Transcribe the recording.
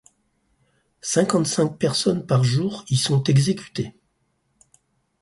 Cinquante-cinq personnes par jour y sont exécutées.